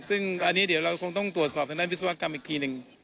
ซึ่งอันนี้เดี๋ยวเราคงต้องตรวจสอบทางด้านวิศวกรรมอีกทีหนึ่ง